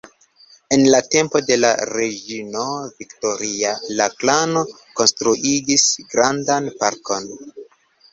En la tempo de la reĝino Viktoria la klano konstruigis grandan parkon.